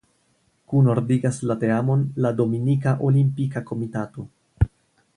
Kunordigas la teamon la Dominika Olimpika Komitato.